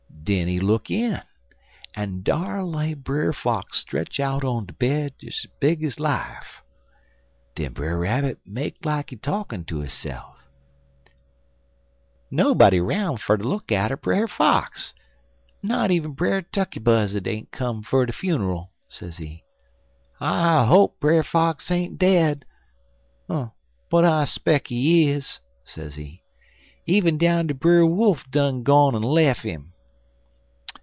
Den he look in, en dar lay Brer Fox stretch out on de bed des es big ez life. Den Brer Rabbit make like he talkin' to hisse'f. "'Nobody 'roun' fer ter look atter Brer Fox not even Brer Tukkey Buzzard ain't come ter de funer'l,' sezee. 'I hope Brer Fox ain't dead, but I speck he is,' sezee. 'Even down ter Brer Wolf done gone en lef' 'im.